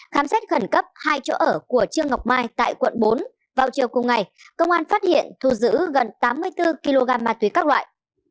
khám xét khẩn cấp hai chỗ ở của trương ngọc mai tại quận bốn vào chiều cùng ngày công an phát hiện thu giữ gần tám mươi bốn kg ma túy các loại